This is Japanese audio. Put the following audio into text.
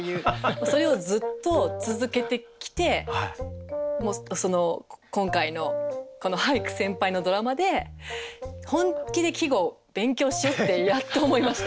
それをずっと続けてきて今回のこの「俳句先輩」のドラマで本気で季語を勉強しようってやっと思いました。